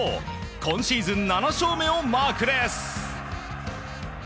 今シーズン７勝目をマークです。